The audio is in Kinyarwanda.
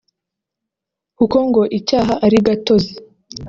kuko ngo icyaha ari gatozi